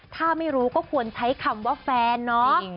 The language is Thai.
ถ้าไม่รู้ก็ควรใช้คำว่าแฟนเนาะ